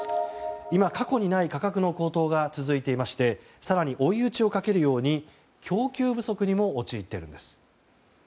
今、過去にない価格の高騰が続いていまして更に追い打ちをかけるように供給不足にも陥っているんです。